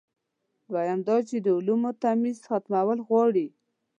دویم دا چې د علومو تمیز ختمول غواړي.